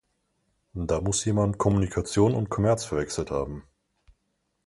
Da muss jemand Kommunikation und Kommerz verwechselt haben.